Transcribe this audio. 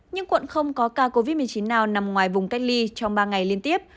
nhưng quận không có ca covid một mươi chín nào nằm ngoài vùng cách ly trong ba ngày liên tiếp